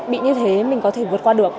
bị như thế mình có thể vượt qua được